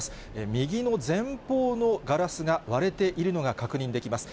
右の前方のガラスが割れているのが確認できます。